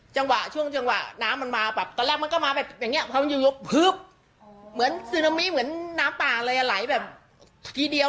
จะเก็บตรงไหนอยู่คนเดียว